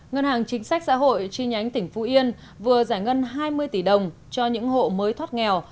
ngân hàng chính sách xã hội chi nhánh tỉnh phú yên vừa giải ngân hai mươi tỷ đồng cho những hộ mới thoát nghèo